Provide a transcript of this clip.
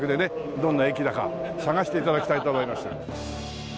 どんな駅だか探して頂きたいと思います。